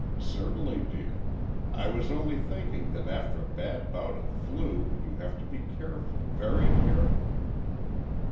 "Certainly, dear. I was only thinking that after a bad bout of `flu' you have to be careful very careful."